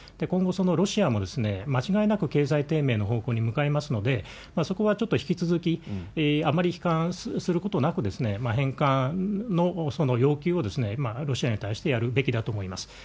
今後、そのロシアも間違いなく経済低迷の方向へ向かいますので、そこはちょっと引き続き、あんまり悲観することなく、返還の要求をロシアに対してやるべきだと思います。